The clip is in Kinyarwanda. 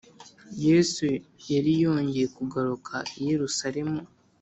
Yesu yari yongeye kugaruka i Yerusalemu.